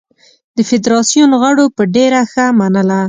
د فدراسیون غړو به ډېره ښه منله.